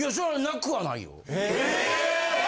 なくはない？